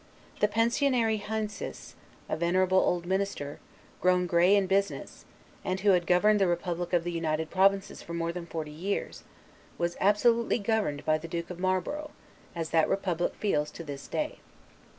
The Pensionary Heinsius, a venerable old minister, grown gray in business, and who had governed the republic of the United Provinces for more than forty years, was absolutely governed by the Duke of Marlborough, as that republic feels to this day.